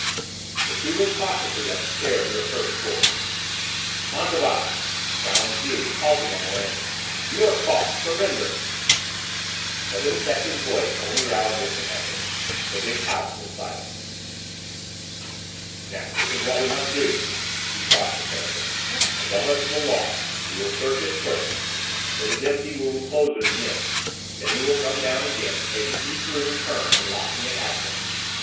The two went cautiously up the stairs to the first floor. "Fantômas!" challenged Juve, halting on the landing, "you are caught; surrender!" But the detective's voice only roused distant echoes; the big house was silent. "Now, this is what we must do," he cautioned Fandor. "Above us is a loft we will search it first; if it is empty, we will close it again. Then we will come down again, taking each room in turn and locking it after us.